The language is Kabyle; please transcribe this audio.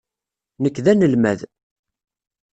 Nekk d anelmad.